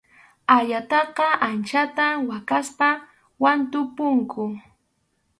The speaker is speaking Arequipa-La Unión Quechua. Ayataqa anchata waqaspam wantupunku.